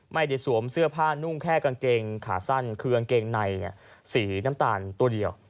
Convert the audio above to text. สวมเสื้อผ้านุ่งแค่กางเกงขาสั้นคือกางเกงในสีน้ำตาลตัวเดียว